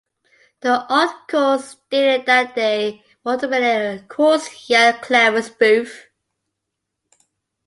The article stated that they were ultimately "a coarse yet clever spoof".